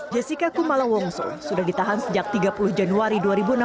jessica kumala wongso sudah ditahan sejak tiga puluh januari dua ribu enam belas